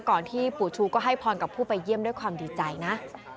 ที่ปู่ชูก็ให้พรกับผู้ไปเยี่ยมด้วยความดีใจนะ